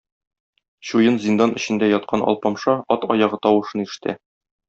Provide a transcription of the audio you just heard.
Чуен зиндан эчендә яткан Алпамша ат аягы тавышын ишетә.